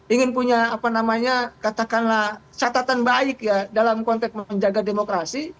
ingin punya apa namanya katakanlah catatan baik ya dalam konteks menjaga demokrasi